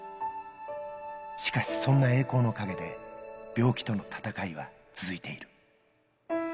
しかしそんな栄光の陰で、病気との闘いは続いている。